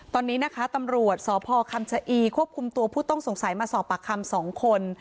ตอนนี้นะคะตำรวจสพคำชะอีควบคุมตัวผู้ต้องสงสัยมาสอบปากคำ๒คน